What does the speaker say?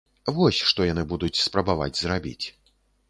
Вось што яны будуць спрабаваць зрабіць.